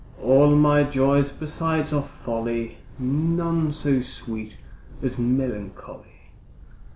All my joys besides are folly, None so sweet as melancholy.